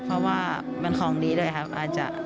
เพราะว่ามันของดีด้วยครับอาจจะ